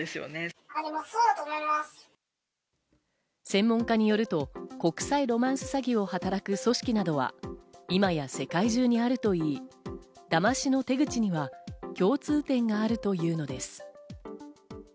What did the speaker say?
専門家によると国際ロマンス詐欺を働く組織などは今や世界中にあるといい、だましの手口には共通点があるというのです。